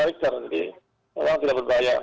orang tidak berbahaya